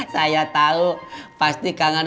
saya tahu pasti kangen